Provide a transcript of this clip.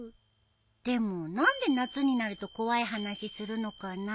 でも何で夏になると怖い話するのかな？